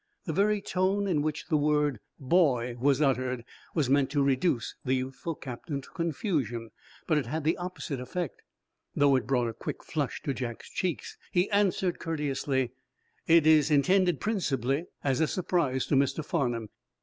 The very tone in which the word "boy" was uttered was meant to reduce the youthful captain to confusion, but it had the opposite effect. Though it brought a quick flush to Jack's cheeks, he answered, courteously: "It is intended, principally, as a surprise to Mr. Farnum.